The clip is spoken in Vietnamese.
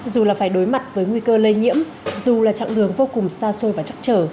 dù là phải đối mặt với nguy cơ lây nhiễm dù là chặng đường vô cùng xa xôi và chắc trở